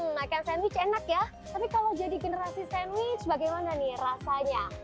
makan sandwich enak ya tapi kalau jadi generasi sandwich bagaimana nih rasanya